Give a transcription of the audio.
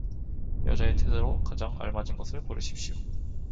여자의 태도로 가장 알맞은 것을 고르십시오.